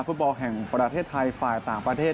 ฟุตบอลแห่งประเทศไทยฝ่ายต่างประเทศ